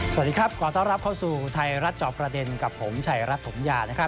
สวัสดีครับกลัวต้อนรับเข้าสู่ไทยรัฐจอบประเด็นกับผมไทยรัฐถมยา